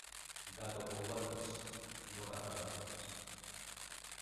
Gato con guantes, no caza ratones.